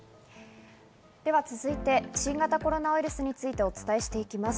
続いて、新型コロナウイルスについてお伝えしていきます。